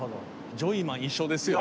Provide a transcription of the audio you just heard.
ジョイマン一緒ですよ。